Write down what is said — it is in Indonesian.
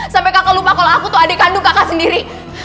sampai kakak lupa kalau aku tuh adik kandung kakak sendiri